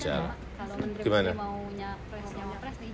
kalau menurut anda maunya pres maunya pres diizinkan